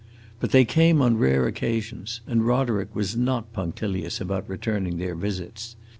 But they came on rare occasions, and Roderick was not punctilious about returning their visits.